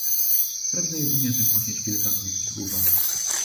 Pragnę jedynie wygłosić kilka krótkich uwag